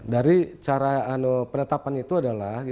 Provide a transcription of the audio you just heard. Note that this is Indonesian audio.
dari cara penetapan itu adalah